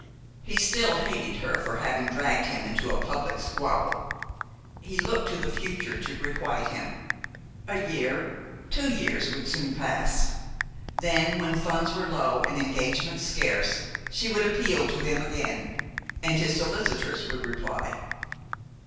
He still hated her for having dragged him into a public squabble. He looked to the future to requite him. A year, two years, would soon pass. Then, when funds were low and engagements scarce, she would appeal to him again, and his solicitors would reply.